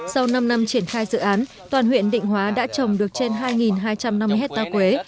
sau năm năm triển khai dự án toàn huyện định hóa đã trồng được trên hai hai trăm năm mươi hectare quế